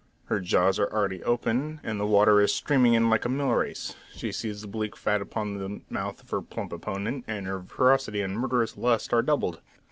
Her jaws are already opened, and the water is streaming in like a mill race; she sees the bleak fat upon the mouth of her plump opponent, and her ferocity and murderous lust are doubled.